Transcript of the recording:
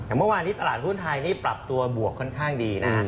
เมื่อวานนี้ตลาดหุ้นไทยนี่ปรับตัวบวกค่อนข้างดีนะ